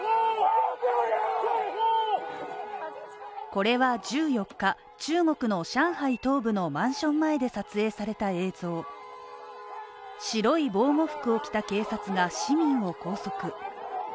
これは１４日、中国の上海東部のマンション前で撮影された映像白い防護服を着た警察が市民を拘束。